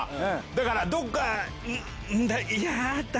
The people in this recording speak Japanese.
だからどっか。